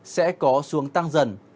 sẽ có xuống tăng dần